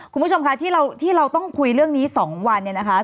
คุณผู้ชมที่เราต้องคุยเรื่องนี้๒วัน